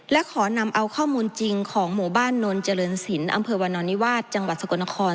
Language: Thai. และขอนำเอาข้อมูลจริงของหมู่บ้านนนเจริญศิลป์อำเภอวานอนนิวาสจังหวัดสกลนคร